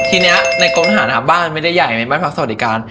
ทีนี้ในกรมฐานะบ้านไม่ได้ใหญ่ในบ้านพักสวัสดิการ